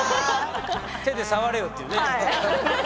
「手で触れよ」っていうね。